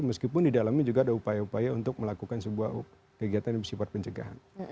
meskipun di dalamnya juga ada upaya upaya untuk melakukan sebuah kegiatan yang bersifat pencegahan